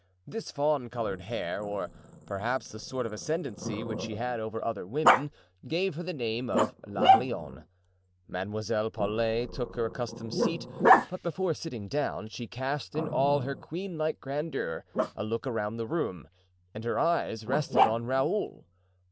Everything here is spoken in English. This fawn colored hair, or, perhaps the sort of ascendancy which she had over other women, gave her the name of "La Lionne." Mademoiselle Paulet took her accustomed seat, but before sitting down, she cast, in all her queen like grandeur, a look around the room, and her eyes rested on Raoul.